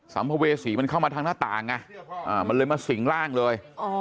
ัมภเวษีมันเข้ามาทางหน้าต่างไงมันเลยมาสิงร่างเลย